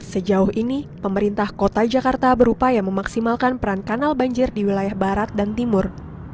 sejauh ini pemerintah kota jakarta berupaya memaksimalkan peran kanal banjir di wilayah barat dan timur